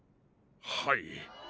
はい。